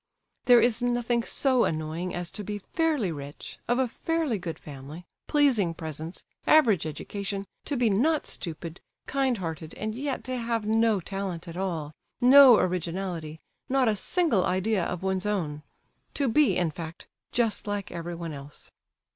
There is nothing so annoying as to be fairly rich, of a fairly good family, pleasing presence, average education, to be "not stupid," kind hearted, and yet to have no talent at all, no originality, not a single idea of one's own—to be, in fact, "just like everyone else."